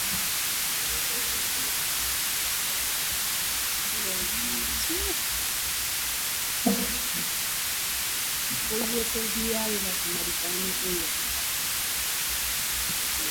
Su padre, Pierre, es un inmigrante congoleño que además es su agente.